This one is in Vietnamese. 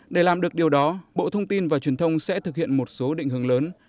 để làm được điều đó bộ thông tin và truyền thông sẽ thực hiện một số định hướng lớn